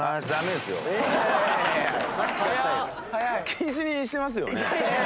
禁止にしてますよね？